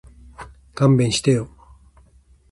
勘弁してよ